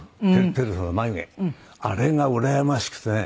あれがうらやましくてね。